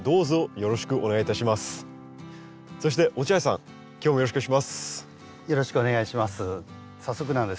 よろしくお願いします。